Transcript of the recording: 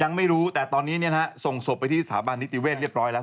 ยังไม่รู้แต่ตอนนี้ส่งศพไปที่สถาบันนิติเวศเรียบร้อยแล้ว